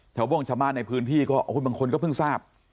ชาวโบ้งชะมัดในพื้นที่ก็บางคนก็เพิ่งทราบ